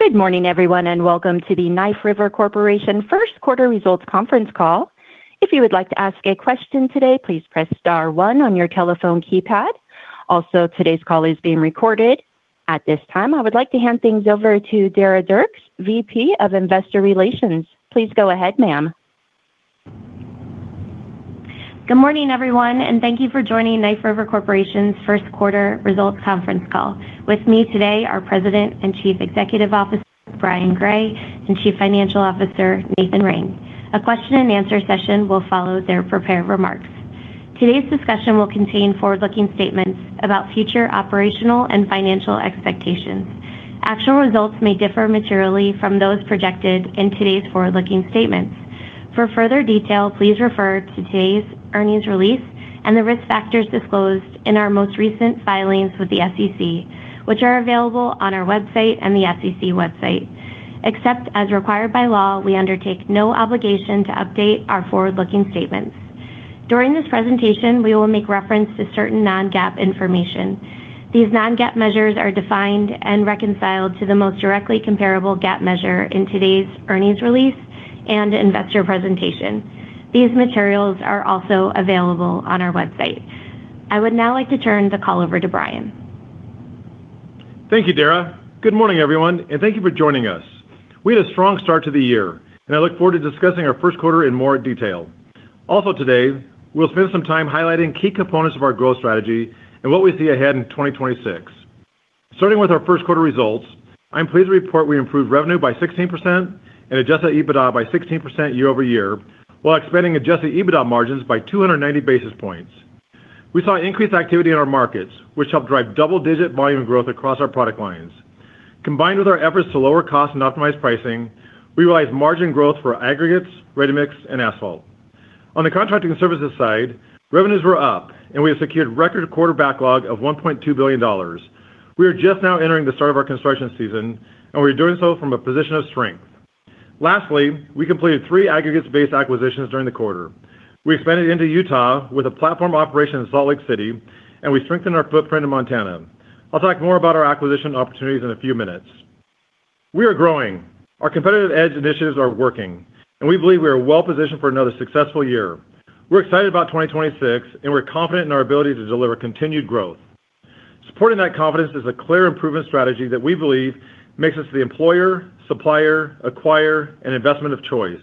Good morning, everyone, and welcome to the Knife River Corporation first quarter results conference call. If you would like to ask question today please press star one on your telephone keypad, also today's call is being recorded. At this time, I would like to hand things over to Dara Dierks, VP of Investor Relations. Please go ahead, ma'am. Good morning, everyone. Thank you for joining Knife River Corporation's first quarter results conference call. With me today are President and Chief Executive Officer, Brian Gray, and Chief Financial Officer, Nathan Ring. A question-and-answer session will follow their prepared remarks. Today's discussion will contain forward-looking statements about future operational and financial expectations. Actual results may differ materially from those projected in today's forward-looking statements. For further detail, please refer to today's earnings release and the risk factors disclosed in our most recent filings with the SEC, which are available on our website and the SEC website. Except as required by law, we undertake no obligation to update our forward-looking statements. During this presentation, we will make reference to certain non-GAAP information. These non-GAAP measures are defined and reconciled to the most directly comparable GAAP measure in today's earnings release and investor presentation. These materials are also available on our website. I would now like to turn the call over to Brian. Thank you, Dara. Good morning, everyone, and thank you for joining us. We had a strong start to the year, and I look forward to discussing our first quarter in more detail. Also today, we'll spend some time highlighting key components of our growth strategy and what we see ahead in 2026. Starting with our first quarter results, I'm pleased to report we improved revenue by 16% and adjusted EBITDA by 16% year-over-year, while expanding adjusted EBITDA margins by 290 basis points. We saw increased activity in our markets, which helped drive double-digit volume growth across our product lines. Combined with our efforts to lower costs and optimize pricing, we realized margin growth for aggregates, ready-mix, and asphalt. On the contracting services side, revenues were up, and we have secured record quarter backlog of $1.2 billion. We are just now entering the start of our construction season, and we are doing so from a position of strength. Lastly, we completed three aggregates-based acquisitions during the quarter. We expanded into Utah with a platform operation in Salt Lake City, and we strengthened our footprint in Montana. I'll talk more about our acquisition opportunities in a few minutes. We are growing. Our Competitive EDGE initiatives are working, and we believe we are well positioned for another successful year. We're excited about 2026, and we're confident in our ability to deliver continued growth. Supporting that confidence is a clear improvement strategy that we believe makes us the employer, supplier, acquirer, and investment of choice.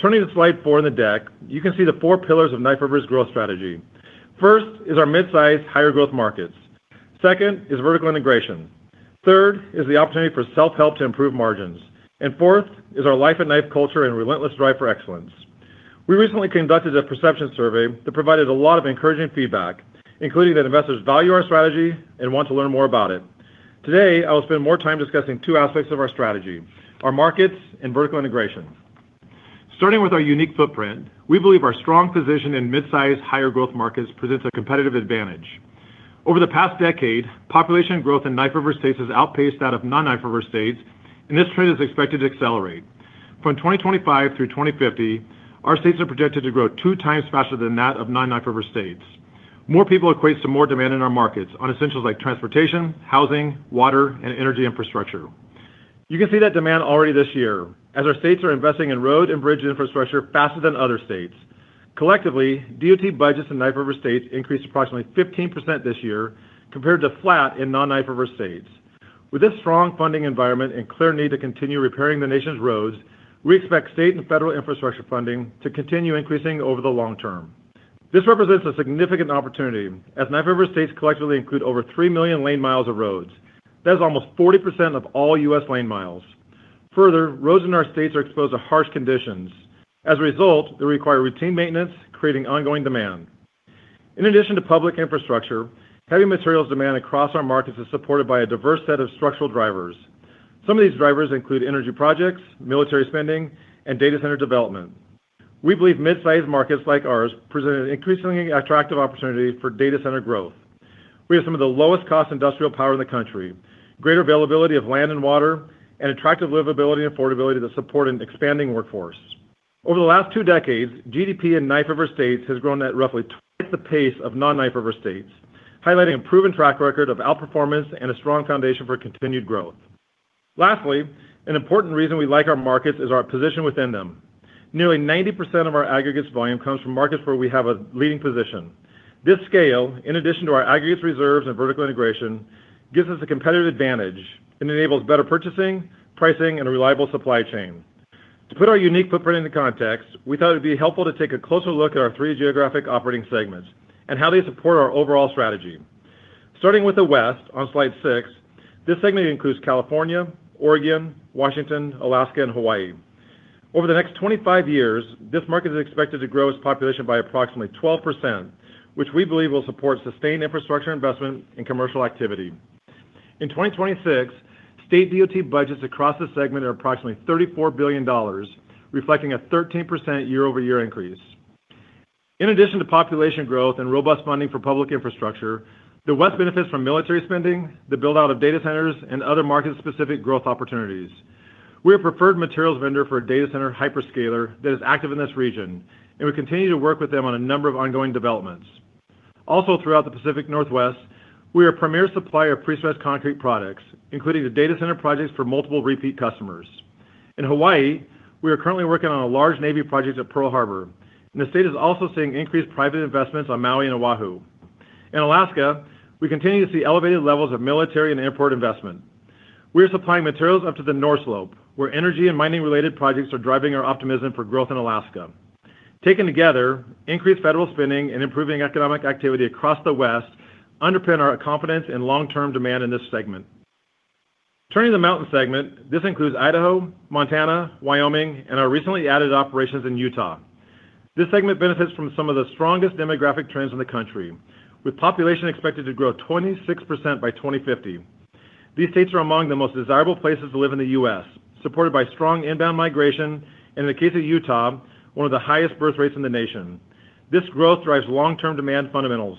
Turning to slide four in the deck, you can see the four pillars of Knife River's growth strategy. First is our midsize, higher growth markets. Second is vertical integration. Third is the opportunity for self-help to improve margins. Fourth is our Life at Knife culture and relentless drive for excellence. We recently conducted a perception survey that provided a lot of encouraging feedback, including that investors value our strategy and want to learn more about it. Today, I will spend more time discussing two aspects of our strategy: our markets and vertical integration. Starting with our unique footprint, we believe our strong position in midsize, higher growth markets presents a competitive advantage. Over the past decade, population growth in Knife River states has outpaced that of non-Knife River states, and this trend is expected to accelerate. From 2025 through 2050, our states are projected to grow 2x faster than that of non-Knife River states. More people equates to more demand in our markets on essentials like transportation, housing, water, and energy infrastructure. You can see that demand already this year as our states are investing in road and bridge infrastructure faster than other states. Collectively, DOT budgets in Knife River states increased approximately 15% this year compared to flat in non-Knife River states. With this strong funding environment and clear need to continue repairing the nation's roads, we expect state and federal infrastructure funding to continue increasing over the long term. This represents a significant opportunity as Knife River states collectively include over 3 million lane miles of roads. That is almost 40% of all U.S. lane miles. Further, roads in our states are exposed to harsh conditions. As a result, they require routine maintenance, creating ongoing demand. In addition to public infrastructure, heavy materials demand across our markets is supported by a diverse set of structural drivers. Some of these drivers include energy projects, military spending, and data center development. We believe midsize markets like ours present an increasingly attractive opportunity for data center growth. We have some of the lowest cost industrial power in the country, greater availability of land and water, and attractive livability and affordability to support an expanding workforce. Over the last two decades, GDP in Knife River states has grown at roughly twice the pace of non-Knife River states, highlighting a proven track record of outperformance and a strong foundation for continued growth. Lastly, an important reason we like our markets is our position within them. Nearly 90% of our aggregates volume comes from markets where we have a leading position. This scale, in addition to our aggregates reserves and vertical integration, gives us a competitive advantage and enables better purchasing, pricing, and a reliable supply chain. To put our unique footprint into context, we thought it would be helpful to take a closer look at our three geographic operating segments and how they support our overall strategy. Starting with the West on slide six, this segment includes California, Oregon, Washington, Alaska, and Hawaii. Over the next 25 years, this market is expected to grow its population by approximately 12%, which we believe will support sustained infrastructure investment and commercial activity. In 2026, state DOT budgets across this segment are approximately $34 billion, reflecting a 13% year-over-year increase. In addition to population growth and robust funding for public infrastructure, the West benefits from military spending, the build-out of data centers, and other market-specific growth opportunities. We are a preferred materials vendor for a data center hyperscaler that is active in this region, and we continue to work with them on a number of ongoing developments. Also throughout the Pacific Northwest, we are a premier supplier of prestressed concrete products, including the data center projects for multiple repeat customers. In Hawaii, we are currently working on a large Navy project at Pearl Harbor, and the state is also seeing increased private investments on Maui and Oahu. In Alaska, we continue to see elevated levels of military and import investment. We are supplying materials up to the North Slope, where energy and mining-related projects are driving our optimism for growth in Alaska. Taken together, increased federal spending and improving economic activity across the West underpin our confidence in long-term demand in this segment. Turning to the Mountain Segment, this includes Idaho, Montana, Wyoming, and our recently added operations in Utah. This segment benefits from some of the strongest demographic trends in the country, with population expected to grow 26% by 2050. These states are among the most desirable places to live in the U.S., supported by strong inbound migration, and in the case of Utah, one of the highest birth rates in the nation. This growth drives long-term demand fundamentals.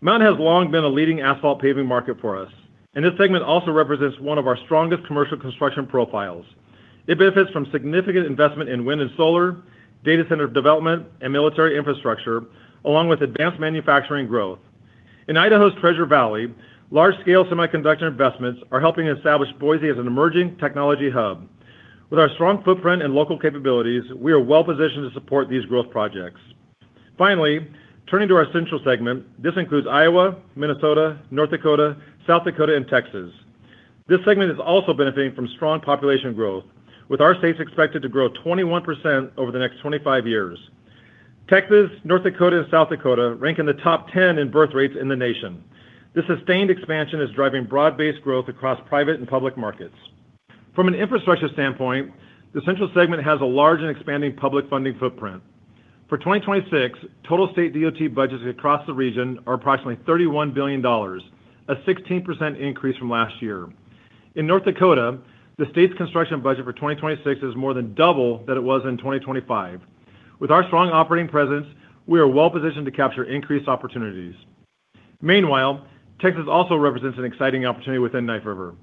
Mountain has long been a leading asphalt paving market for us, and this segment also represents one of our strongest commercial construction profiles. It benefits from significant investment in wind and solar, data center development, and military infrastructure, along with advanced manufacturing growth. In Idaho's Treasure Valley, large-scale semiconductor investments are helping establish Boise as an emerging technology hub. With our strong footprint and local capabilities, we are well-positioned to support these growth projects. Turning to our Central segment, this includes Iowa, Minnesota, North Dakota, South Dakota, and Texas. This segment is also benefiting from strong population growth, with our states expected to grow 21% over the next 25 years. Texas, North Dakota, and South Dakota rank in the top 10 in birth rates in the nation. This sustained expansion is driving broad-based growth across private and public markets. From an infrastructure standpoint, the Central segment has a large and expanding public funding footprint. For 2026, total state DOT budgets across the region are approximately $31 billion, a 16% increase from last year. In North Dakota, the state's construction budget for 2026 is more than double that it was in 2025. With our strong operating presence, we are well-positioned to capture increased opportunities. Meanwhile, Texas also represents an exciting opportunity within Knife River.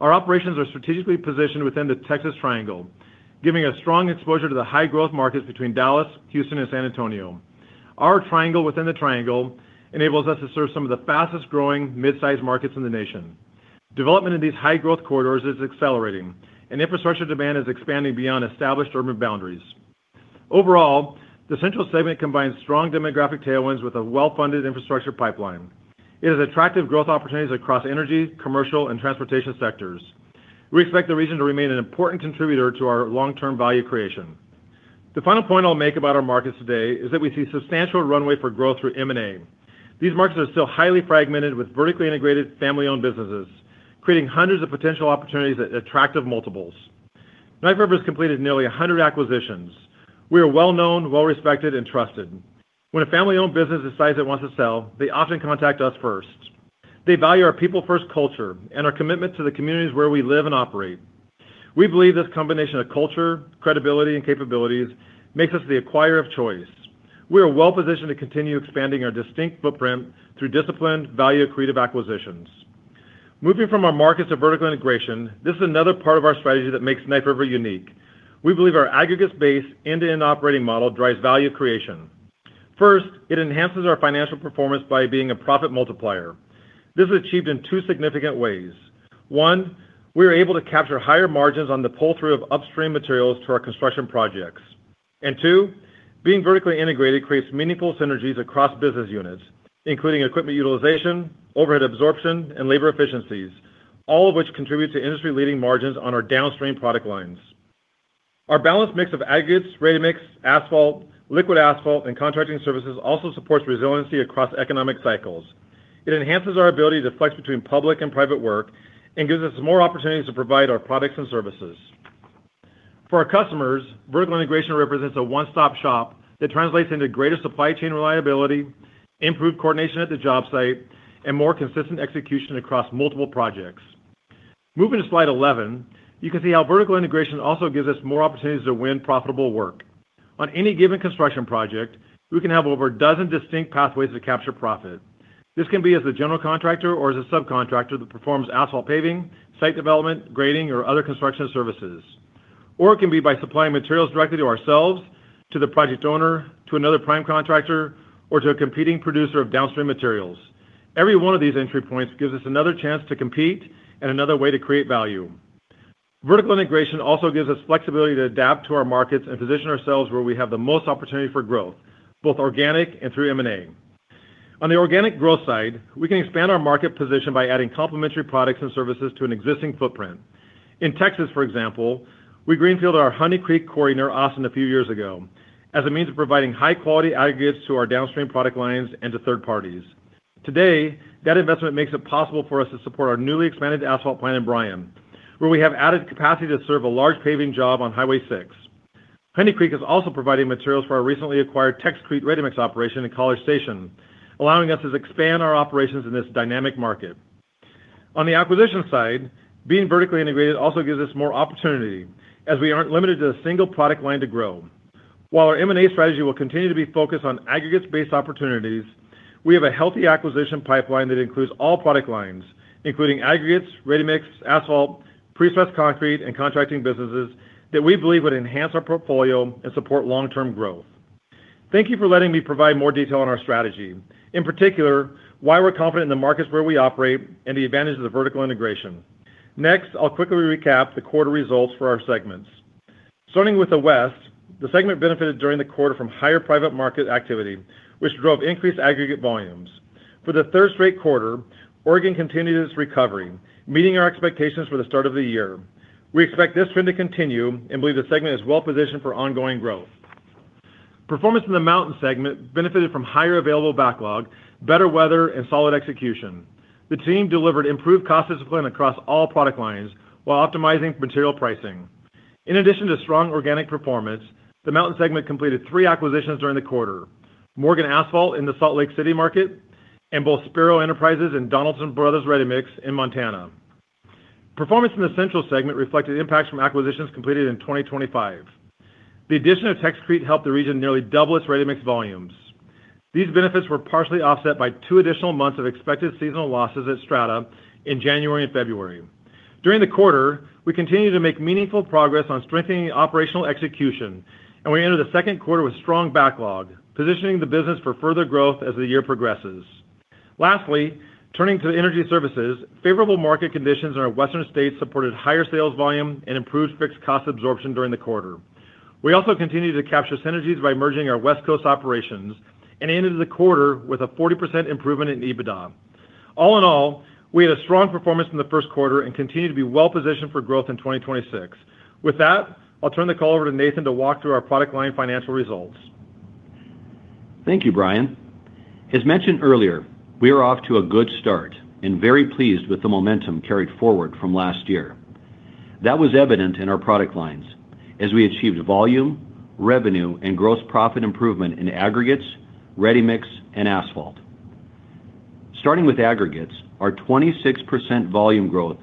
Our operations are strategically positioned within the Texas Triangle, giving us strong exposure to the high-growth markets between Dallas, Houston, and San Antonio. Our triangle within the triangle enables us to serve some of the fastest-growing mid-sized markets in the nation. Development in these high-growth corridors is accelerating, and infrastructure demand is expanding beyond established urban boundaries. Overall, the Central segment combines strong demographic tailwinds with a well-funded infrastructure pipeline. It has attractive growth opportunities across energy, commercial, and transportation sectors. We expect the region to remain an important contributor to our long-term value creation. The final point I'll make about our markets today is that we see substantial runway for growth through M&A. These markets are still highly fragmented with vertically integrated family-owned businesses, creating hundreds of potential opportunities at attractive multiples. Knife River has completed nearly 100 acquisitions. We are well-known, well-respected, and trusted. When a family-owned business decides it wants to sell, they often contact us first. They value our people-first culture and our commitment to the communities where we live and operate. We believe this combination of culture, credibility, and capabilities makes us the acquirer of choice. We are well-positioned to continue expanding our distinct footprint through disciplined, value-accretive acquisitions. Moving from our markets to vertical integration, this is another part of our strategy that makes Knife River unique. We believe our aggregates-based, end-to-end operating model drives value creation. First, it enhances our financial performance by being a profit multiplier. This is achieved in two significant ways. One, we are able to capture higher margins on the pull-through of upstream materials to our construction projects. And two, being vertically integrated creates meaningful synergies across business units, including equipment utilization, overhead absorption, and labor efficiencies, all of which contribute to industry-leading margins on our downstream product lines. Our balanced mix of aggregates, ready-mix, asphalt, liquid asphalt, and contracting services also supports resiliency across economic cycles. It enhances our ability to flex between public and private work and gives us more opportunities to provide our products and services. For our customers, vertical integration represents a one-stop shop that translates into greater supply chain reliability, improved coordination at the job site, and more consistent execution across multiple projects. Moving to slide 11, you can see how vertical integration also gives us more opportunities to win profitable work. On any given construction project, we can have over dozen distinct pathways to capture profit. This can be as a general contractor or as a subcontractor that performs asphalt paving, site development, grading, or other contracting services. It can be by supplying materials directly to ourselves, to the project owner, to another prime contractor, or to a competing producer of downstream materials. Every one of these entry points gives us another chance to compete and another way to create value. Vertical integration also gives us flexibility to adapt to our markets and position ourselves where we have the most opportunity for growth, both organic and through M&A. On the organic growth side, we can expand our market position by adding complementary products and services to an existing footprint. In Texas, for example, we greenfield our Honey Creek Quarry near Austin a few years ago as a means of providing high-quality aggregates to our downstream product lines and to third parties. Today, that investment makes it possible for us to support our newly expanded asphalt plant in Bryan, where we have added capacity to serve a large paving job on Highway 6. Honey Creek is also providing materials for our recently acquired Texcrete ready-mix operation in College Station, allowing us to expand our operations in this dynamic market. On the acquisition side, being vertically integrated also gives us more opportunity, as we aren't limited to a single product line to grow. While our M&A strategy will continue to be focused on aggregates-based opportunities, we have a healthy acquisition pipeline that includes all product lines, including aggregates, ready-mix, asphalt, prestressed concrete and contracting businesses that we believe would enhance our portfolio and support long-term growth. Thank you for letting me provide more detail on our strategy, in particular, why we're confident in the markets where we operate and the advantage of the vertical integration. Next, I'll quickly recap the quarter results for our segments. Starting with the West, the segment benefited during the quarter from higher private market activity, which drove increased aggregate volumes. For the third straight quarter, Oregon continued its recovery, meeting our expectations for the start of the year. We expect this trend to continue and believe the segment is well positioned for ongoing growth. Performance in the Mountain segment benefited from higher available backlog, better weather, and solid execution. The team delivered improved cost discipline across all product lines while optimizing material pricing. In addition to strong organic performance, the Mountain segment completed three acquisitions during the quarter, Morgan Asphalt in the Salt Lake City market, and both Sparrow Enterprises and Donaldson Brothers Ready Mix in Montana. Performance in the Central segment reflected impacts from acquisitions completed in 2025. The addition of Texcrete helped the region nearly double its ready-mix volumes. These benefits were partially offset by two additional months of expected seasonal losses at Strata in January and February. During the quarter, we continued to make meaningful progress on strengthening operational execution, and we entered the second quarter with strong backlog, positioning the business for further growth as the year progresses. Lastly, turning to energy services, favorable market conditions in our western states supported higher sales volume and improved fixed cost absorption during the quarter. We also continued to capture synergies by merging our West Coast operations and ended the quarter with a 40% improvement in EBITDA. All in all, we had a strong performance in the first quarter and continue to be well positioned for growth in 2026. With that, I'll turn the call over to Nathan to walk through our product line financial results. Thank you, Brian. As mentioned earlier, we are off to a good start and very pleased with the momentum carried forward from last year. That was evident in our product lines as we achieved volume, revenue, and gross profit improvement in aggregates, ready-mix, and asphalt. Starting with aggregates, our 26% volume growth,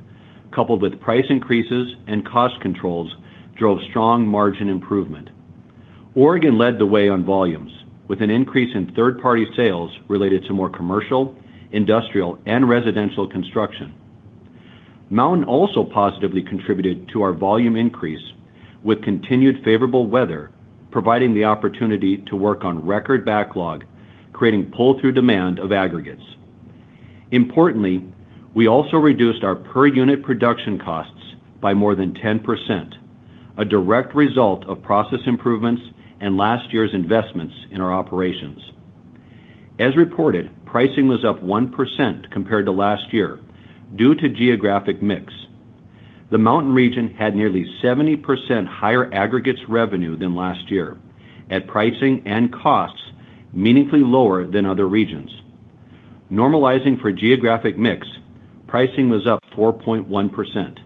coupled with price increases and cost controls, drove strong margin improvement. Oregon led the way on volumes with an increase in third-party sales related to more commercial, industrial, and residential construction. Mountain also positively contributed to our volume increase with continued favorable weather, providing the opportunity to work on record backlog, creating pull-through demand of aggregates. Importantly, we also reduced our per unit production costs by more than 10%, a direct result of process improvements and last year's investments in our operations. As reported, pricing was up 1% compared to last year due to geographic mix. The Mountain region had nearly 70% higher aggregates revenue than last year at pricing and costs meaningfully lower than other regions. Normalizing for geographic mix, pricing was up 4.1%.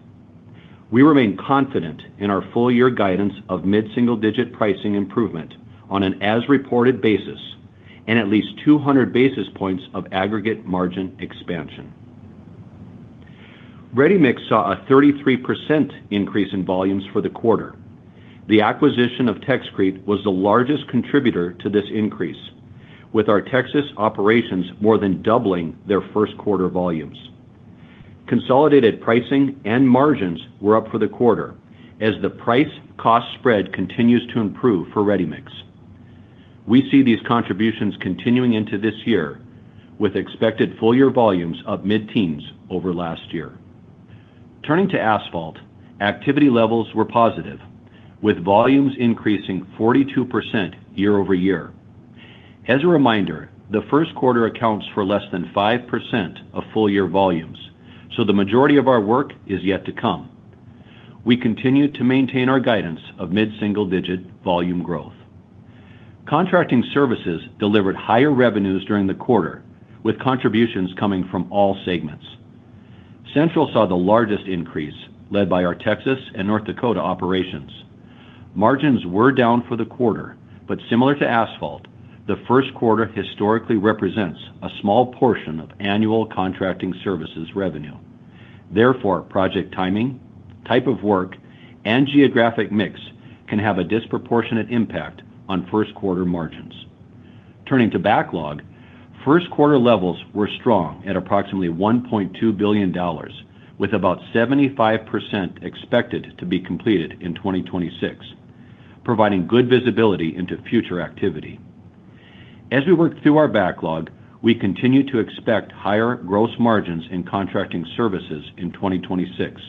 We remain confident in our full year guidance of mid-single-digit pricing improvement on an as-reported basis and at least 200 basis points of aggregate margin expansion. Ready-mix saw a 33% increase in volumes for the quarter. The acquisition of Texcrete was the largest contributor to this increase, with our Texas operations more than doubling their first quarter volumes. Consolidated pricing and margins were up for the quarter as the price cost spread continues to improve for ready-mix. We see these contributions continuing into this year with expected full year volumes of mid-teens over last year. Turning to asphalt, activity levels were positive with volumes increasing 42% year-over-year. As a reminder, the first quarter accounts for less than 5% of full year volumes. So the majority of our work is yet to come. We continue to maintain our guidance of mid-single-digit volume growth. Contracting services delivered higher revenues during the quarter, with contributions coming from all segments. Central saw the largest increase led by our Texas and North Dakota operations. Margins were down for the quarter. Similar to asphalt, the first quarter historically represents a small portion of annual contracting services revenue. Therefore, project timing, type of work, and geographic mix can have a disproportionate impact on first quarter margins. Turning to backlog, first quarter levels were strong at approximately $1.2 billion, with about 75% expected to be completed in 2026, providing good visibility into future activity. As we work through our backlog, we continue to expect higher gross margins in contracting services in 2026,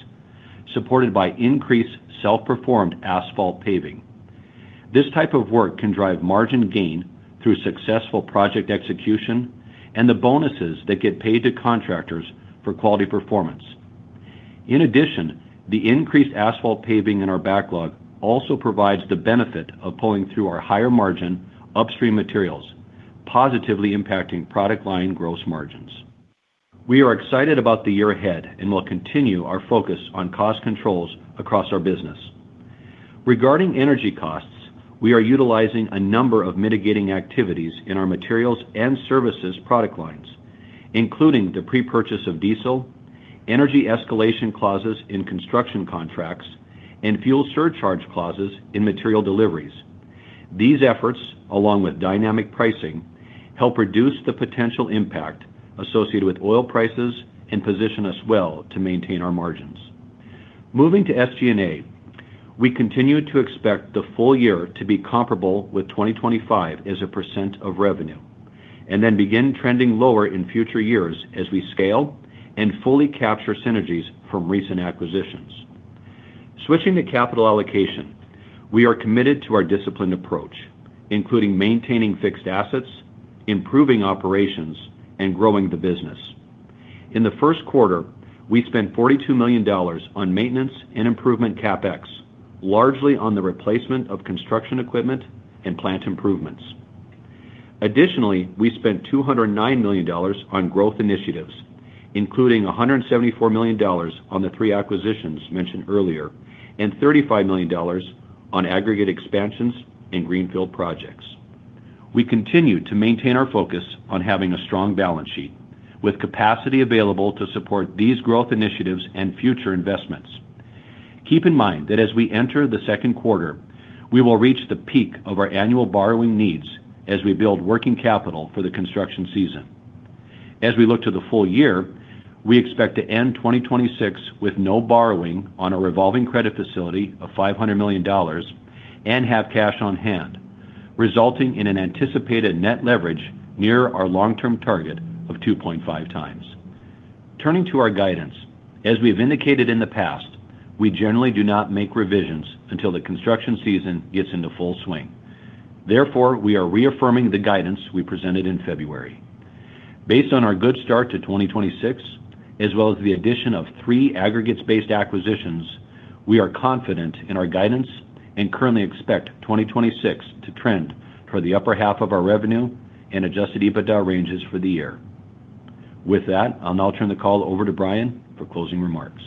supported by increased self-performed asphalt paving. This type of work can drive margin gain through successful project execution and the bonuses that get paid to contractors for quality performance. In addition, the increased asphalt paving in our backlog also provides the benefit of pulling through our higher margin upstream materials, positively impacting product line gross margins. We are excited about the year ahead and will continue our focus on cost controls across our business. Regarding energy costs, we are utilizing a number of mitigating activities in our materials and services product lines, including the pre-purchase of diesel, energy escalation clauses in construction contracts, and fuel surcharge clauses in material deliveries. These efforts, along with dynamic pricing, help reduce the potential impact associated with oil prices and position us well to maintain our margins. Moving to SG&A, we continue to expect the full year to be comparable with 2025 as a percent of revenue, and then begin trending lower in future years as we scale and fully capture synergies from recent acquisitions. Switching to capital allocation, we are committed to our disciplined approach, including maintaining fixed assets, improving operations, and growing the business. In the first quarter, we spent $42 million on maintenance and improvement CapEx, largely on the replacement of construction equipment and plant improvements. Additionally, we spent $209 million on growth initiatives, including $174 million on the three acquisitions mentioned earlier and $35 million on aggregate expansions and greenfield projects. We continue to maintain our focus on having a strong balance sheet, with capacity available to support these growth initiatives and future investments. Keep in mind that as we enter the second quarter, we will reach the peak of our annual borrowing needs as we build working capital for the construction season. As we look to the full year, we expect to end 2026 with no borrowing on a revolving credit facility of $500 million and have cash on hand, resulting in an anticipated net leverage near our long-term target of 2.5x. Turning to our guidance, as we have indicated in the past, we generally do not make revisions until the construction season gets into full swing. We are reaffirming the guidance we presented in February. Based on our good start to 2026, as well as the addition of three aggregates-based acquisitions, we are confident in our guidance and currently expect 2026 to trend toward the upper half of our revenue and adjusted EBITDA ranges for the year. With that, I'll now turn the call over to Brian for closing remarks.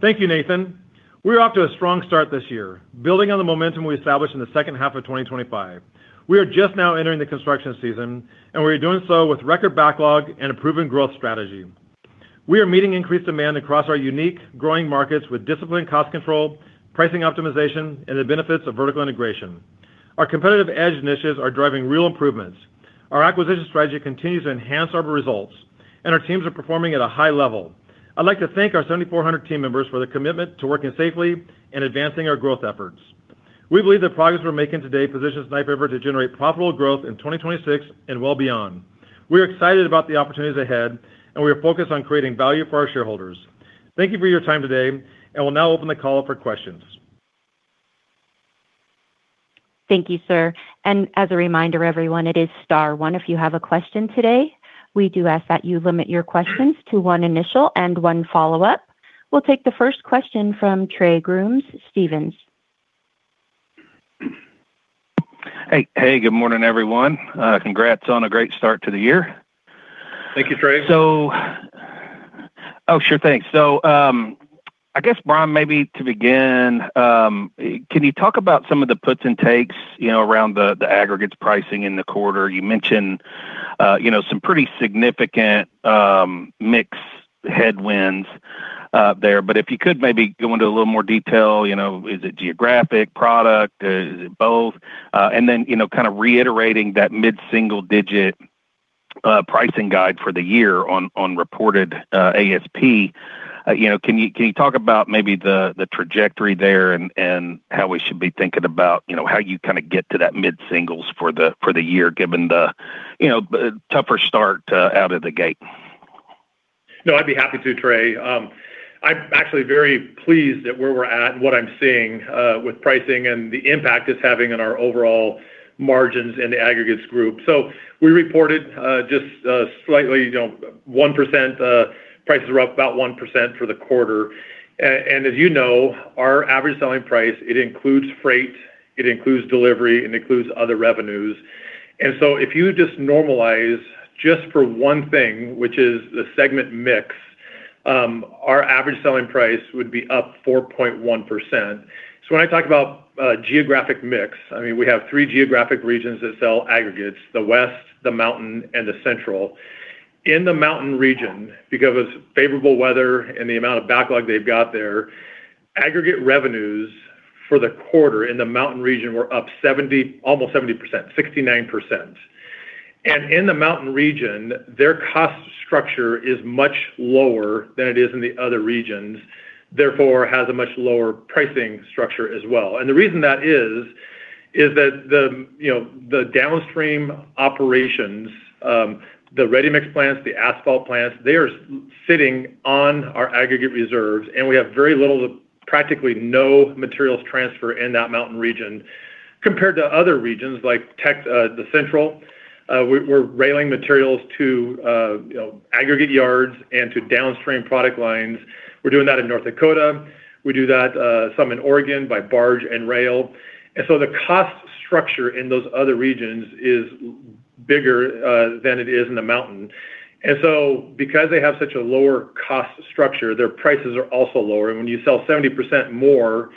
Thank you, Nathan. We're off to a strong start this year, building on the momentum we established in the second half of 2025. We are just now entering the construction season, and we are doing so with record backlog and a proven growth strategy. We are meeting increased demand across our unique growing markets with disciplined cost control, pricing optimization, and the benefits of vertical integration. Our Competitive EDGE initiatives are driving real improvements. Our acquisition strategy continues to enhance our results, and our teams are performing at a high level. I'd like to thank our 7,400 team members for their commitment to working safely and advancing our growth efforts. We believe the progress we're making today positions Knife River to generate profitable growth in 2026 and well beyond. We are excited about the opportunities ahead, and we are focused on creating value for our shareholders. Thank you for your time today, and we'll now open the call for questions. Thank you, sir. As a reminder, everyone, it is star one if you have a question today. We do ask that you limit your questions to one initial and one follow-up. We'll take the first question from Trey Grooms, Stephens. Hey. Hey, good morning, everyone. Congrats on a great start to the year. Thank you, Trey. Sure thing. I guess, Brian, maybe to begin, can you talk about some of the puts and takes, you know, around the aggregates pricing in the quarter? You mentioned, you know, some pretty significant mix headwinds there. If you could maybe go into a little more detail, you know, is it geographic, product, is it both? Kind of reiterating that mid-single digit pricing guide for the year on reported ASP, you know, can you talk about maybe the trajectory there and how we should be thinking about, you know, how you kinda get to that mid-singles for the year given the, you know, tougher start out of the gate? No, I'd be happy to, Trey. I'm actually very pleased at where we're at and what I'm seeing with pricing and the impact it's having on our overall margins in the aggregates group. So we reported just slightly, you know, 1%, prices were up about 1% for the quarter. As you know, our average selling price, it includes freight, it includes delivery, it includes other revenues. If you just normalize just for one thing, which is the segment mix, our average selling price would be up 4.1%. When I talk about geographic mix, I mean, we have three geographic regions that sell aggregates, the West, the Mountain, and the Central. In the Mountain region, because of favorable weather and the amount of backlog they've got there, aggregate revenues for the quarter in the Mountain region were up 70%, almost 70%, 69%. In the Mountain region, their cost structure is much lower than it is in the other regions, therefore has a much lower pricing structure as well. The reason that is that the, you know, the downstream operations, the ready-mix plants, the asphalt plants, they are sitting on our aggregate reserves, and we have very little, practically no materials transfer in that Mountain region compared to other regions like Texcrete, the Central. We're railing materials to, you know, aggregate yards and to downstream product lines. We're doing that in North Dakota. We do that some in Oregon by barge and rail. And so the cost structure in those other regions is bigger than it is in the Mountain. Because they have such a lower cost structure, their prices are also lower. When you sell 70% more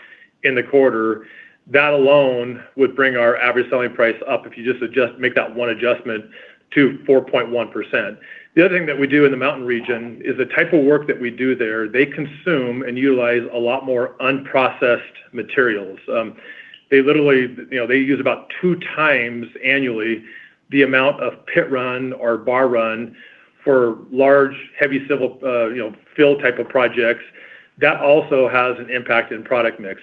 in the quarter, that alone would bring our average selling price up, if you just make that one adjustment, to 4.1%. The other thing that we do in the Mountain region is the type of work that we do there, they consume and utilize a lot more unprocessed materials. They literally, you know, they use about two times annually the amount of pit run or bar run for large, heavy civil, you know, field type of projects, that also has an impact in product mix.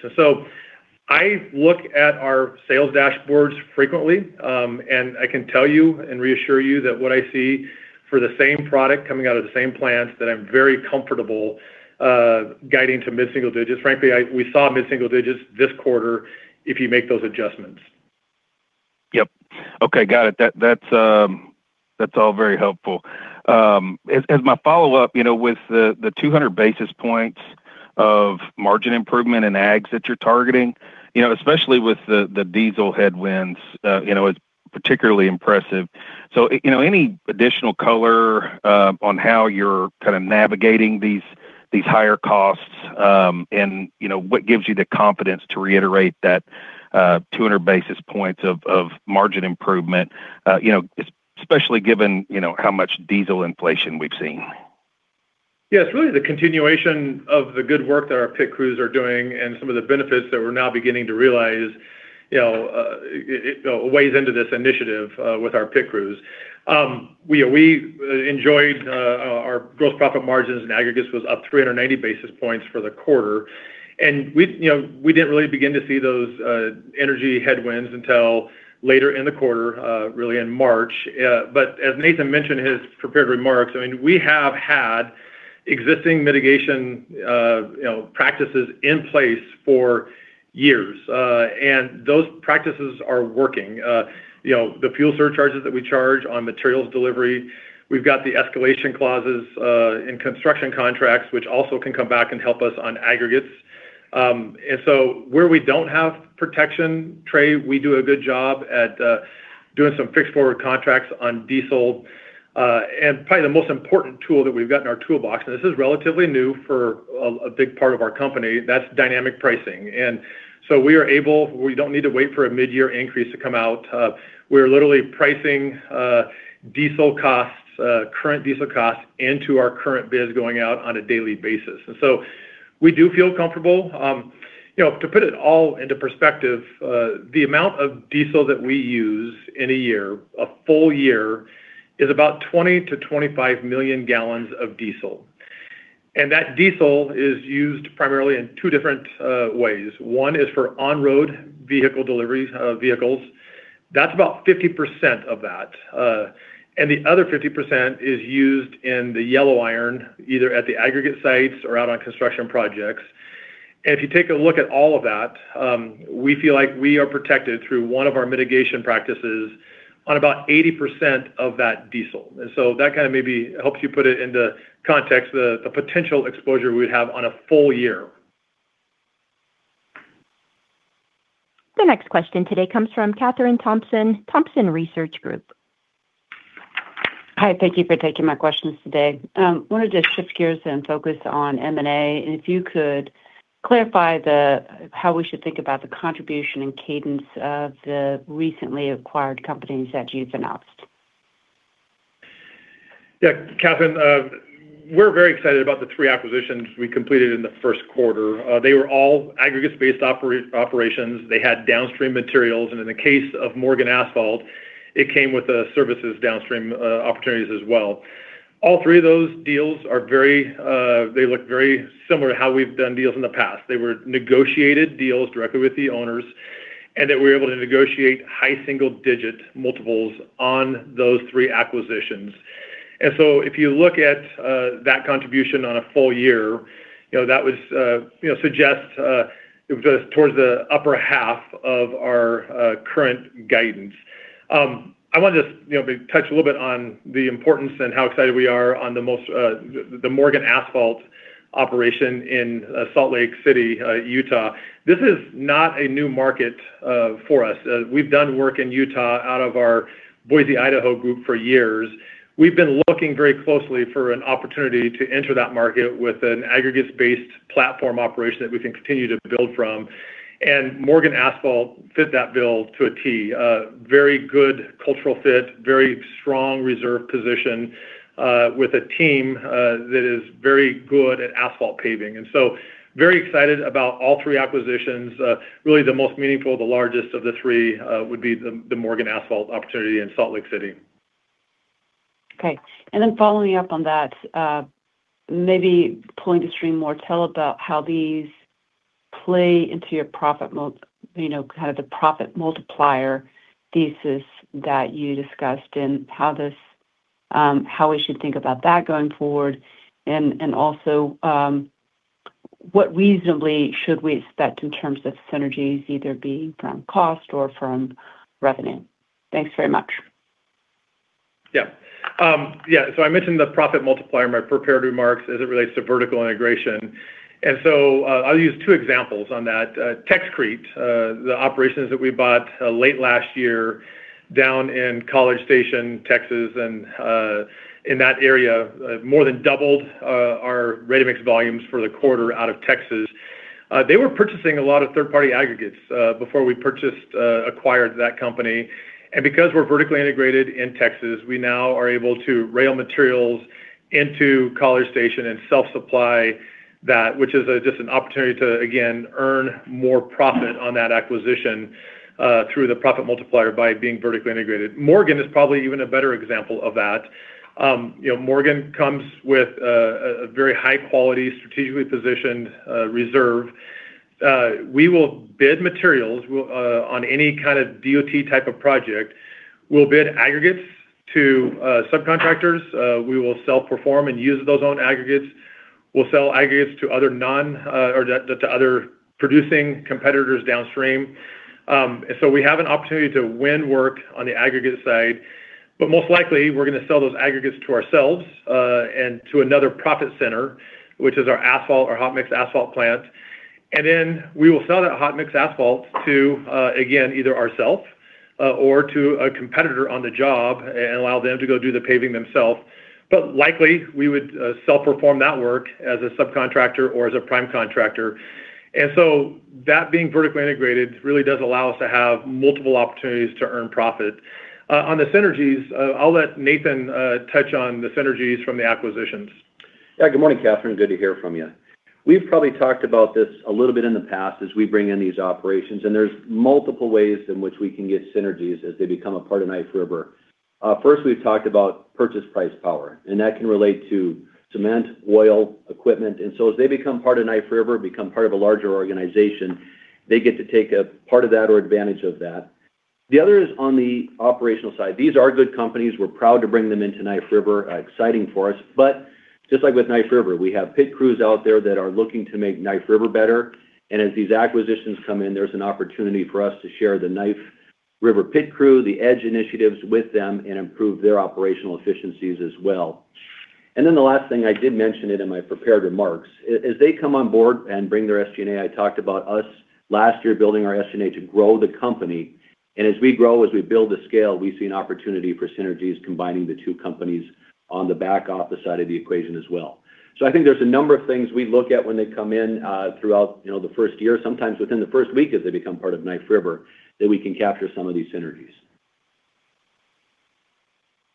I look at our sales dashboards frequently, and I can tell you and reassure you that what I see for the same product coming out of the same plants, that I'm very comfortable guiding to mid-single digits. Frankly, we saw mid-single digits this quarter if you make those adjustments. Yep. Okay, got it. That, that's all very helpful. As my follow-up, you know, with the 200 basis points of margin improvement in ags that you're targeting, you know, especially with the diesel headwinds, you know, it's particularly impressive. You know, any additional color on how you're kind of navigating these higher costs? You know, what gives you the confidence to reiterate that 200 basis points of margin improvement? You know, especially given, you know, how much diesel inflation we've seen. Yeah. It's really the continuation of the good work that our PIT Crews are doing and some of the benefits that we're now beginning to realize, you know, ways into this initiative with our PIT Crews. We enjoyed our gross profit margins and aggregates was up 390 basis points for the quarter. We, you know, we didn't really begin to see those energy headwinds until later in the quarter, really in March. As Nathan mentioned in his prepared remarks, I mean, we have had existing mitigation, you know, practices in place for years. Those practices are working. You know, the fuel surcharges that we charge on materials delivery, we've got the escalation clauses in construction contracts, which also can come back and help us on aggregates. Where we don't have protection, Trey, we do a good job at doing some fixed forward contracts on diesel. Probably the most important tool that we've got in our toolbox, and this is relatively new for a big part of our company, that's dynamic pricing. We are able, we don't need to wait for a mid-year increase to come out. We are literally pricing diesel costs, current diesel costs into our current bids going out on a daily basis. We do feel comfortable. You know, to put it all into perspective, the amount of diesel that we use in a year, a full year, is about 20 million gal-25 million gal of diesel. That diesel is used primarily in two different ways. One is for on-road vehicle deliveries, vehicles. That's about 50% of that. The other 50% is used in the yellow iron, either at the aggregate sites or out on construction projects. If you take a look at all of that, we feel like we are protected through one of our mitigation practices on about 80% of that diesel. That kind of maybe helps you put it into context, the potential exposure we'd have on a full year. The next question today comes from Kathryn Thompson, Thompson Research Group. Hi, thank you for taking my questions today. I wanted to shift gears and focus on M&A, if you could clarify how we should think about the contribution and cadence of the recently acquired companies that you've announced. Yeah, Kathryn, we're very excited about the three acquisitions we completed in the first quarter. They were all aggregates-based operations. They had downstream materials. In the case of Morgan Asphalt, it came with services downstream opportunities as well. All three of those deals are very, they look very similar to how we've done deals in the past. They were negotiated deals directly with the owners, and that we were able to negotiate high single-digit multiples on those three acquisitions. If you look at that contribution on a full year, you know, that was, you know, suggests it was towards the upper half of our current guidance. I want to you know, touch a little bit on the importance and how excited we are on the most, the Morgan Asphalt operation in Salt Lake City, Utah. This is not a new market for us. We've done work in Utah out of our Boise, Idaho group for years. We've been looking very closely for an opportunity to enter that market with an aggregates-based platform operation that we can continue to build from. Morgan Asphalt fit that bill to a T. Very good cultural fit, very strong reserve position, with a team that is very good at asphalt paving. Very excited about all three acquisitions. Really the most meaningful, the largest of the three, would be the Morgan Asphalt opportunity in Salt Lake City. Okay. Following up on that, maybe pulling the string more, tell about how these play into your profit multiplier, you know, kind of the profit multiplier thesis that you discussed and how this, how we should think about that going forward. Also, what reasonably should we expect in terms of synergies, either be it from cost or from revenue? Thanks very much. I mentioned the profit multiplier in my prepared remarks as it relates to vertical integration. I'll use two examples on that. Texcrete, the operations that we bought late last year down in College Station, Texas, and in that area, more than doubled our ready-mix volumes for the quarter out of Texas. They were purchasing a lot of third-party aggregates before we purchased acquired that company. Because we're vertically integrated in Texas, we now are able to rail materials into College Station and self-supply that, which is just an opportunity to, again, earn more profit on that acquisition through the profit multiplier by being vertically integrated. Morgan is probably even a better example of that. You know, Morgan comes with a very high quality, strategically positioned reserve. We will bid materials on any kind of DOT type of project. We'll bid aggregates to subcontractors. We will self-perform and use those own aggregates. We'll sell aggregates to other non, or to other producing competitors downstream. We have an opportunity to win work on the aggregate side, but most likely, we're gonna sell those aggregates to ourselves and to another profit center, which is our asphalt, our hot mix asphalt plant. We will sell that hot mix asphalt to again, either ourself, or to a competitor on the job and allow them to go do the paving themselves. Likely, we would self-perform that work as a subcontractor or as a prime contractor. That being vertically integrated really does allow us to have multiple opportunities to earn profit. On the synergies, I'll let Nathan touch on the synergies from the acquisitions. Yeah. Good morning, Kathryn. Good to hear from you. We've probably talked about this a little bit in the past as we bring in these operations, and there's multiple ways in which we can get synergies as they become a part of Knife River. First, we've talked about purchase price power, and that can relate to cement, oil, equipment. As they become part of Knife River, become part of a larger organization, they get to take a part of that or advantage of that. The other is on the operational side. These are good companies. We're proud to bring them into Knife River, exciting for us. Just like with Knife River, we have PIT Crews out there that are looking to make Knife River better. As these acquisitions come in, there's an opportunity for us to share the Knife River PIT Crews, the EDGE initiatives with them, and improve their operational efficiencies as well. The last thing, I did mention it in my prepared remarks. As they come on board and bring their SG&A, I talked about us last year building our SG&A to grow the company. As we grow, as we build the scale, we see an opportunity for synergies combining the two companies on the back office side of the equation as well. I think there's a number of things we look at when they come in, throughout, you know, the first year, sometimes within the first week as they become part of Knife River, that we can capture some of these synergies.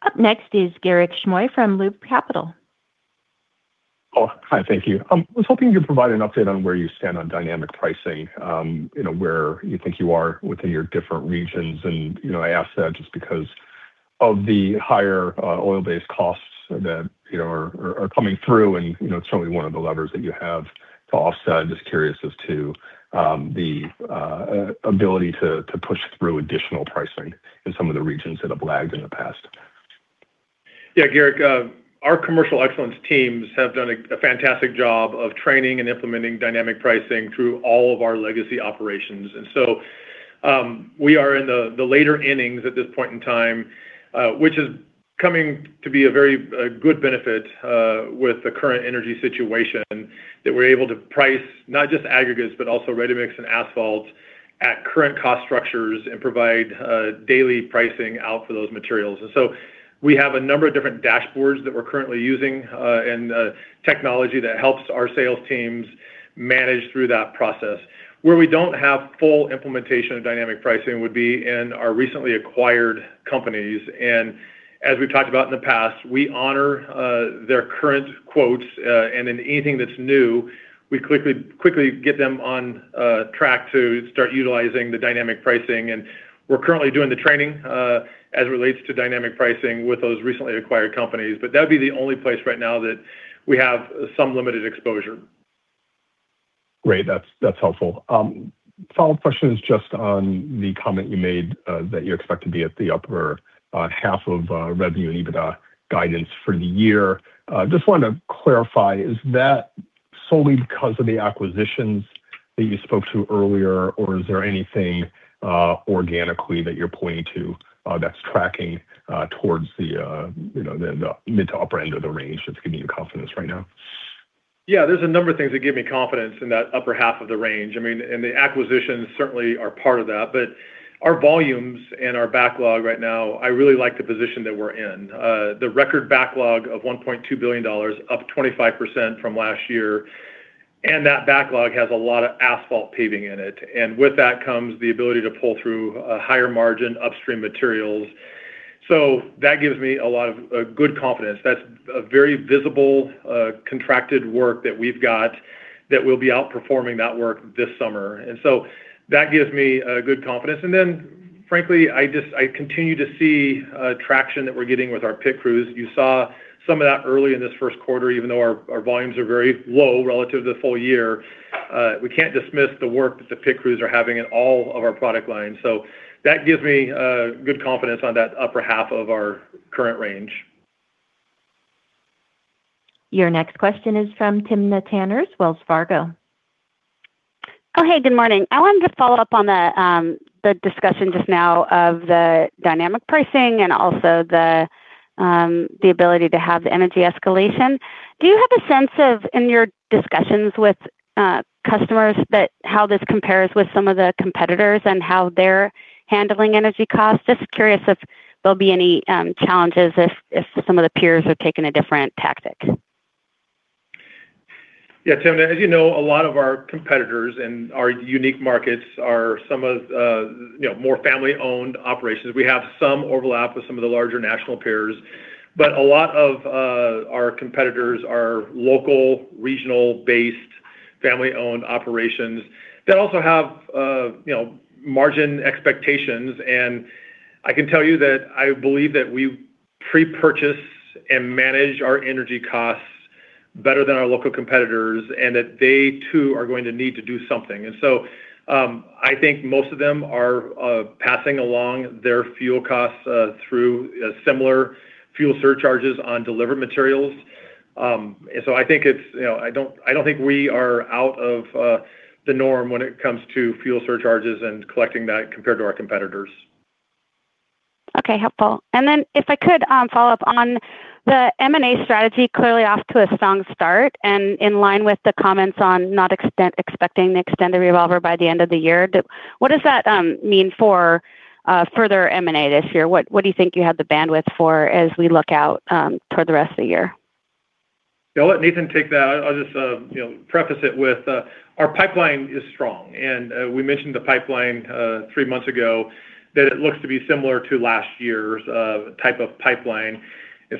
Up next is Garik Shmois from Loop Capital. Oh, hi. Thank you. I was hoping you could provide an update on where you stand on dynamic pricing, you know, where you think you are within your different regions. I ask that just because of the higher, oil-based costs that, you know, are coming through, and, you know, it's certainly one of the levers that you have to offset. Just curious as to the ability to push through additional pricing in some of the regions that have lagged in the past. Yeah, Garik, our commercial excellence teams have done a fantastic job of training and implementing dynamic pricing through all of our legacy operations. We are in the later innings at this point in time, which is coming to be a very good benefit with the current energy situation, that we're able to price not just aggregates, but also ready-mix and asphalt at current cost structures and provide daily pricing out for those materials. We have a number of different dashboards that we're currently using and technology that helps our sales teams manage through that process. Where we don't have full implementation of dynamic pricing would be in our recently acquired companies. As we've talked about in the past, we honor their current quotes, and then anything that's new, we quickly get them on track to start utilizing the dynamic pricing. We're currently doing the training as it relates to dynamic pricing with those recently acquired companies. That'd be the only place right now that we have some limited exposure. Great. That's helpful. Follow-up question is just on the comment you made that you expect to be at the upper half of revenue and EBITDA guidance for the year. Just wanted to clarify, is that solely because of the acquisitions that you spoke to earlier, or is there anything organically that you're pointing to that's tracking towards the mid to upper end of the range that's giving you confidence right now? Yeah, there's a number of things that give me confidence in that upper half of the range. I mean, the acquisitions certainly are part of that. Our volumes and our backlog right now, I really like the position that we're in. The record backlog of $1.2 billion, up 25% from last year, that backlog has a lot of asphalt paving in it. With that comes the ability to pull through a higher margin upstream materials. That gives me a lot of good confidence. That's a very visible contracted work that we've got that we'll be outperforming that work this summer. That gives me good confidence. Frankly, I just, I continue to see traction that we're getting with our PIT Crews. You saw some of that early in this first quarter, even though our volumes are very low relative to the full year. We can't dismiss the work that the PIT Crews are having in all of our product lines. That gives me good confidence on that upper half of our current range. Your next question is from Timna Tanners, Wells Fargo. Oh, hey, good morning. I wanted to follow up on the discussion just now of the dynamic pricing and also the ability to have the energy escalation. Do you have a sense of, in your discussions with customers, how this compares with some of the competitors and how they're handling energy costs? Just curious if there'll be any challenges if some of the peers have taken a different tactic. Yeah, Tim, as you know, a lot of our competitors in our unique markets are some of, you know, more family-owned operations. We have some overlap with some of the larger national peers, but a lot of our competitors are local, regional-based, family-owned operations that also have, you know, margin expectations. I can tell you that I believe that we pre-purchase and manage our energy costs better than our local competitors, and that they too are going to need to do something. I think most of them are passing along their fuel costs through similar fuel surcharges on delivered materials. I think it's, you know I don't, I don't think we are out of the norm when it comes to fuel surcharges and collecting that compared to our competitors. Okay, helpful. If I could follow up on the M&A strategy, clearly off to a strong start and in line with the comments on not expecting the extended revolver by the end of the year. What does that mean for further M&A this year? What do you think you have the bandwidth for as we look out toward the rest of the year? Yeah, I'll let Nathan take that. I'll just, you know, preface it with our pipeline is strong. We mentioned the pipeline three months ago, that it looks to be similar to last year's type of pipeline.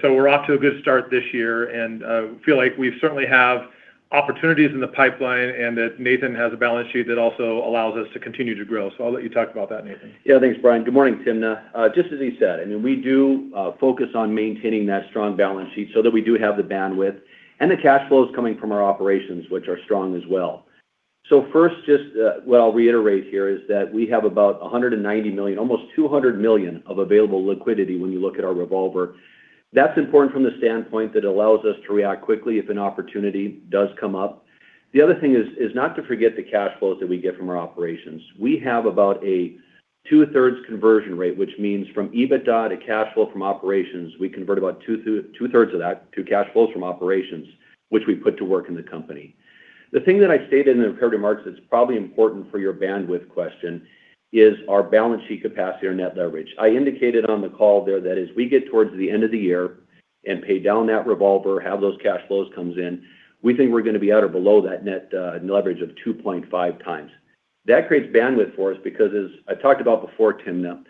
We're off to a good start this year and feel like we certainly have opportunities in the pipeline and that Nathan has a balance sheet that also allows us to continue to grow. I'll let you talk about that, Nathan. Thanks, Brian. Good morning, Tim. Just as he said, I mean, we do focus on maintaining that strong balance sheet so that we do have the bandwidth and the cash flows coming from our operations, which are strong as well. First, just what I'll reiterate here is that we have about $190 million, almost $200 million of available liquidity when you look at our revolver. That's important from the standpoint that allows us to react quickly if an opportunity does come up. The other thing is not to forget the cash flows that we get from our operations. We have about a two-thirds conversion rate, which means from EBITDA to cash flow from operations, we convert about two-thirds of that to cash flows from operations, which we put to work in the company. The thing that I stated in the prepared remarks that's probably important for your bandwidth question is our balance sheet capacity or net leverage. I indicated on the call there that as we get towards the end of the year and pay down that revolver, have those cash flows comes in, we think we're gonna be at or below that net leverage of 2.5x. That creates bandwidth for us because as I talked about before, Tim,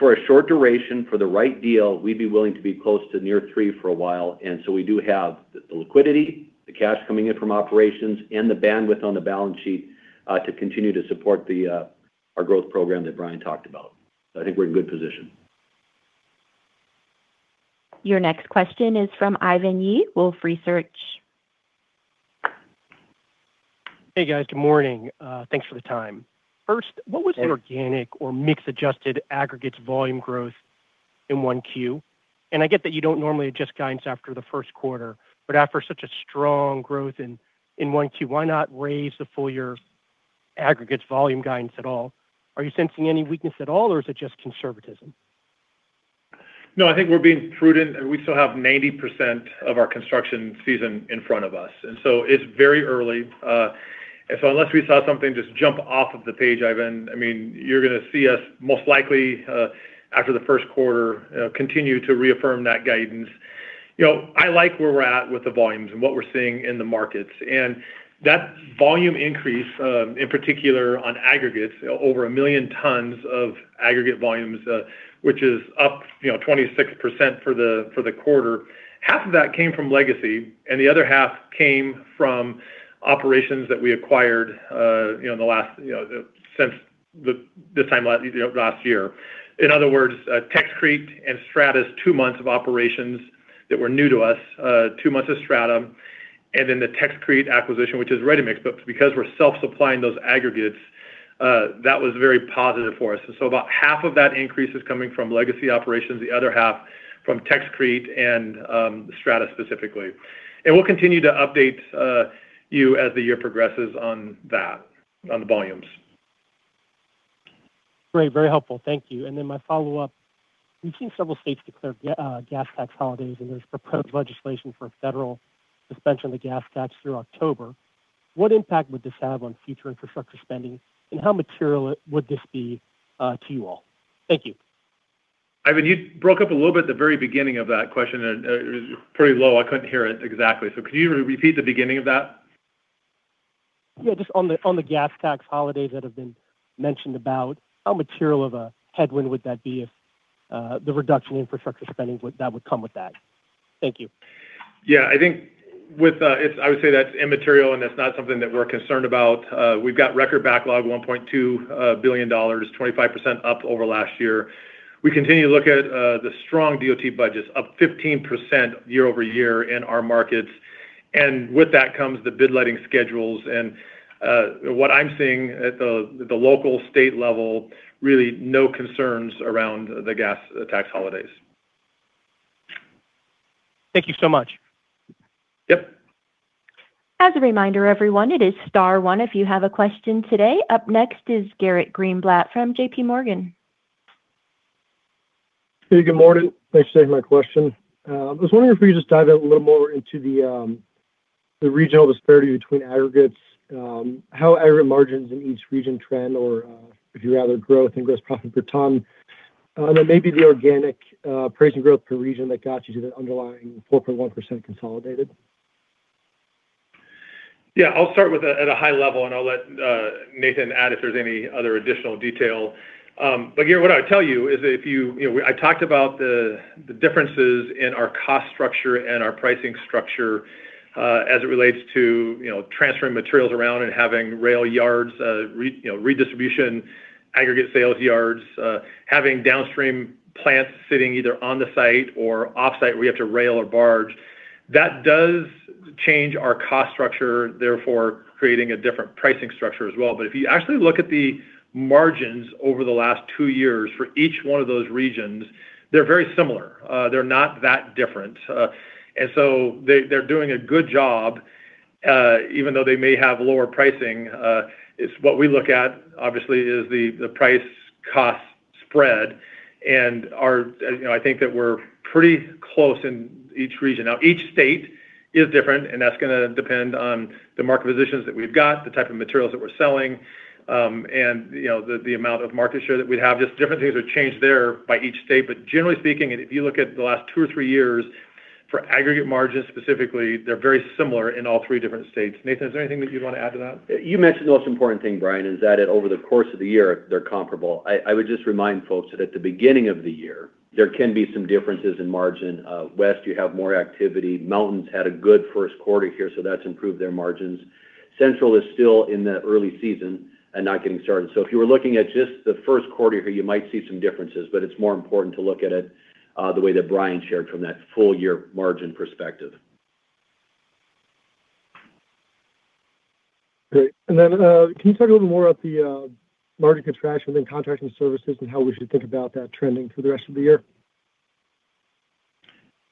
for a short duration, for the right deal, we'd be willing to be close to near three for a while. We do have the liquidity, the cash coming in from operations and the bandwidth on the balance sheet to continue to support the our growth program that Brian talked about. I think we're in a good position. Your next question is from Ivan Yi, Wolfe Research. Hey, guys. Good morning. Thanks for the time. Hey What was the organic or mix adjusted aggregates volume growth in 1Q? I get that you don't normally adjust guidance after the first quarter, but after such a strong growth in 1Q, why not raise the full year aggregates volume guidance at all? Are you sensing any weakness at all or is it just conservatism? No, I think we're being prudent. We still have 90% of our construction season in front of us. So it's very early. So unless we saw something just jump off of the page, Ivan, I mean, you're gonna see us most likely after the 1st quarter continue to reaffirm that guidance. You know, I like where we're at with the volumes and what we're seeing in the markets. That volume increase, in particular on aggregates, over a million tons of aggregate volumes, which is up, you know, 26% for the quarter, half of that came from legacy and the other half came from operations that we acquired, you know, in the last, you know, since this time last year. In other words, Texcrete and Strata, two months of operations that were new to us, two months of Strata, then the Texcrete acquisition, which is ready-mix, but because we're self-supplying those aggregates, that was very positive for us. About half of that increase is coming from legacy operations, the other half from Texcrete and Strata specifically. We'll continue to update you as the year progresses on that, on the volumes. Great. Very helpful. Thank you. Then my follow-up, we've seen several states declare gas tax holidays, and there's proposed legislation for a federal suspension of the gas tax through October. What impact would this have on future infrastructure spending, and how material would this be to you all? Thank you. Ivan, you broke up a little bit at the very beginning of that question. It was pretty low, I couldn't hear it exactly. Could you repeat the beginning of that? Yeah, just on the gas tax holidays that have been mentioned about, how material of a headwind would that be if the reduction in infrastructure spending that would come with that? Thank you. Yeah, I think with, I would say that's immaterial and that's not something that we're concerned about. We've got record backlog, $1.2 billion, 25% up over last year. We continue to look at the strong DOT budgets, up 15% year-over-year in our markets. With that comes the bid letting schedules. What I'm seeing at the local state level, really no concerns around the gas tax holidays. Thank you so much. Yep. As a reminder everyone, it is star one if you have a question today. Up next is Garrett Greenblatt from JPMorgan. Hey, good morning. Thanks for taking my question. I was wondering if we could just dive a little more into the regional disparity between aggregates, how aggregate margins in each region trend or, if you'd rather, growth and gross profit per ton, then maybe the organic pricing growth per region that got you to the underlying 4.1% consolidated? Yeah, I'll start with a high level, and I'll let Nathan add if there's any other additional detail. Here, what I'd tell you is that if you know, I talked about the differences in our cost structure and our pricing structure, as it relates to, you know, transferring materials around and having rail yards, redistribution, aggregates sales yards, having downstream plants sitting either on the site or offsite where we have to rail or barge. That does change our cost structure, therefore creating a different pricing structure as well. If you actually look at the margins over the last two years for each one of those regions, they're very similar. They're not that different. They're doing a good job. Even though they may have lower pricing, it's what we look at obviously is the price cost spread and are, you know, I think that we're pretty close in each region. Now, each state is different, and that's gonna depend on the market positions that we've got, the type of materials that we're selling, and, you know, the amount of market share that we have. Just different things have changed there by each state. Generally speaking, and if you look at the last two or three years, for aggregate margins specifically, they're very similar in all three different states. Nathan, is there anything that you'd want to add to that? You mentioned the most important thing, Brian, is that over the course of the year, they're comparable. I would just remind folks that at the beginning of the year, there can be some differences in margin. West, you have more activity. Mountains had a good first quarter here, so that's improved their margins. Central is still in the early season and not getting started. If you were looking at just the first quarter here, you might see some differences, but it's more important to look at it the way that Brian shared from that full year margin perspective. Great. Then, can you talk a little more about the margin contraction within contracting services and how we should think about that trending through the rest of the year?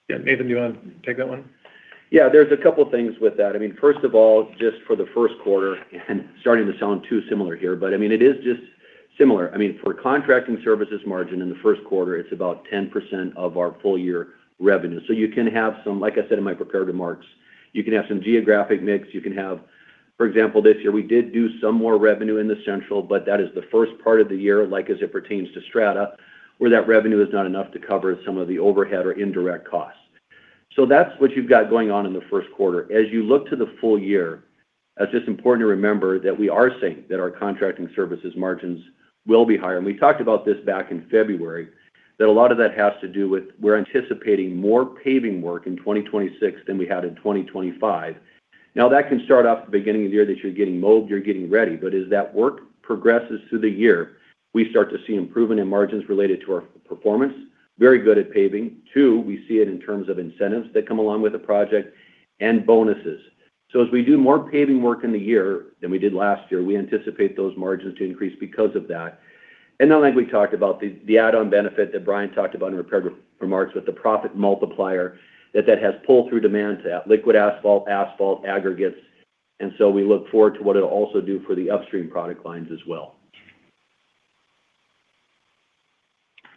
Yeah. Nathan, do you wanna take that one? Yeah, there's a couple things with that. I mean, first of all, just for the first quarter, starting to sound too similar here, but I mean, it is just similar. I mean, for contracting services margin in the first quarter, it's about 10% of our full year revenue. You can have some, like I said in my prepared remarks, you can have some geographic mix, you can have, for example, this year we did do some more revenue in the Central, but that is the first part of the year, like as it pertains to Strata, where that revenue is not enough to cover some of the overhead or indirect costs. That's what you've got going on in the first quarter. As you look to the full year, it's just important to remember that we are saying that our contracting services margins will be higher. We talked about this back in February, that a lot of that has to do with we're anticipating more paving work in 2026 than we had in 2025. Now, that can start off the beginning of the year that you're getting mowed, you're getting ready. As that work progresses through the year, we start to see improvement in margins related to our performance. Very good at paving. Two, we see it in terms of incentives that come along with the project and bonuses. As we do more paving work in the year than we did last year, we anticipate those margins to increase because of that. Then like we talked about, the add-on benefit that Brian talked about in prepared remarks with the profit multiplier, that has pull-through demand to that liquid asphalt aggregates. We look forward to what it'll also do for the upstream product lines as well.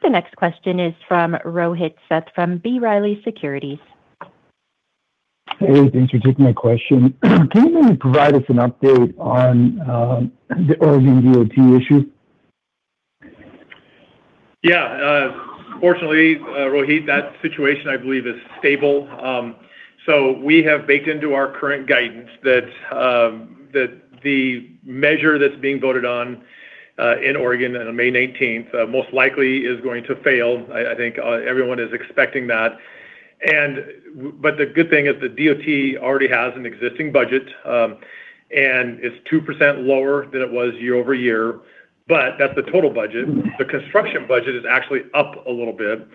The next question is from Rohit Seth from B. Riley Securities. Hey, thanks for taking my question. Can you maybe provide us an update on the Oregon DOT issue? Fortunately, Rohit, that situation, I believe, is stable. We have baked into our current guidance that the measure that's being voted on in Oregon on May 18th most likely is going to fail. I think everyone is expecting that. The good thing is the DOT already has an existing budget, and it's 2% lower than it was year-over-year, but that's the total budget. The construction budget is actually up a little bit.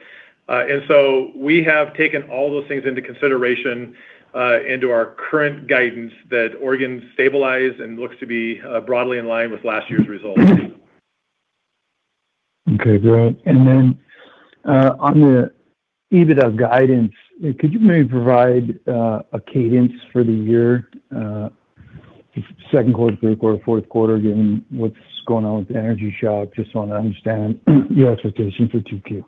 We have taken all those things into consideration into our current guidance that Oregon stabilized and looks to be broadly in line with last year's results. Okay, great. And then on the EBITDA guidance, could you maybe provide a cadence for the year, second quarter, third quarter, fourth quarter, given what's going on with the energy shock, just so I understand your expectation for 2Q?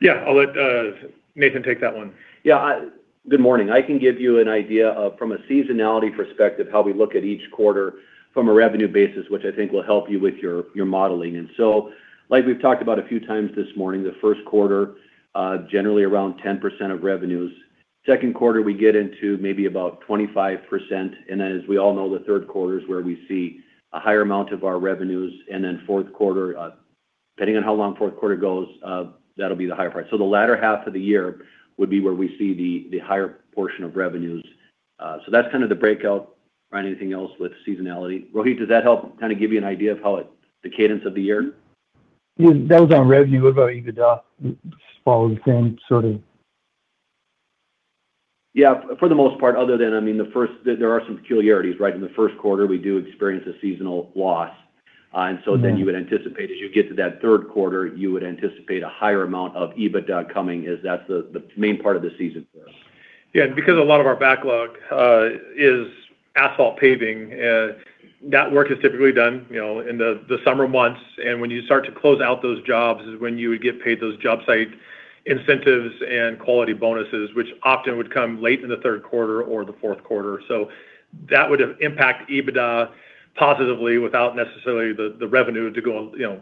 Yeah, I'll let Nathan take that one. Yeah. Good morning. I can give you an idea of, from a seasonality perspective, how we look at each quarter from a revenue basis, which I think will help you with your modeling. Like we've talked about a few times this morning, the first quarter, generally around 10% of revenues. Second quarter, we get into maybe about 25%. As we all know, the third quarter is where we see a higher amount of our revenues. Fourth quarter, depending on how long fourth quarter goes, that'll be the higher part. The latter half of the year would be where we see the higher portion of revenues. That's kind of the breakout. Brian, anything else with seasonality? Rohit, does that help kinda give you an idea of how the cadence of the year? Yeah. That was on revenue. What about EBITDA? Follow the same sort of. Yeah, for the most part, other than, I mean, there are some peculiarities, right? In the first quarter, we do experience a seasonal loss. You would anticipate as you get to that third quarter, you would anticipate a higher amount of EBITDA coming as that's the main part of the season. Yeah, because a lot of our backlog is asphalt paving, that work is typically done, you know, in the summer months. When you start to close out those jobs is when you would get paid those job site incentives and quality bonuses, which often would come late in the third quarter or the fourth quarter. That would impact EBITDA positively without necessarily the revenue to go, you know,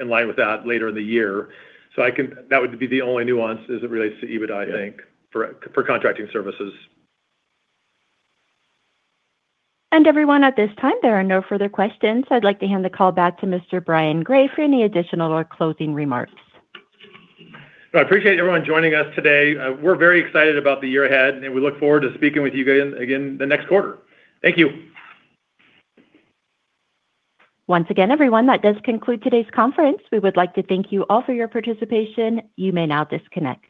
in line with that later in the year. That would be the only nuance as it relates to EBITDA, I think, for contracting services. Everyone, at this time, there are no further questions. I'd like to hand the call back to Mr. Brian Gray for any additional or closing remarks. I appreciate everyone joining us today. We're very excited about the year ahead, and we look forward to speaking with you again the next quarter. Thank you. Once again, everyone, that does conclude today's conference. We would like to thank you all for your participation. You may now disconnect.